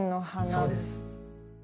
そうです。